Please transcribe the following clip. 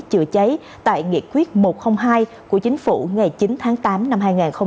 chữa cháy tại nghị quyết một trăm linh hai của chính phủ ngày chín tháng tám năm hai nghìn một mươi ba